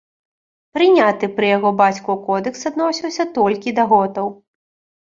Прыняты пры яго бацьку кодэкс адносіўся толькі да готаў.